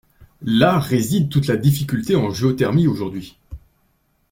Là réside toute la difficulté en géothermie aujourd’hui.